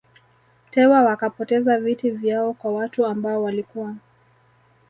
Tewa wakapoteza viti vyao kwa watu ambao walikuwa